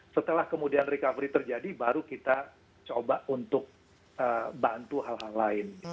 setelah kemudian recovery terjadi baru kita coba untuk bantu hal hal lain